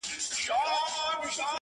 څنگه دې هر صفت پر گوتو باندې وليکمه!!